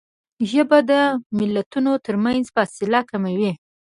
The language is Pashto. ژبه د ملتونو ترمنځ فاصله کموي